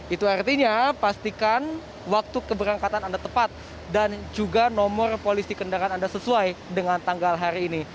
itu artinya pastikan waktu keberangkatan anda tepat dan juga nomor polisi kendaraan anda sesuai dengan tanggal hari ini